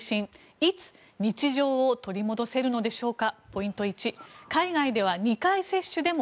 いつ日常を取り戻せるのでしょうか。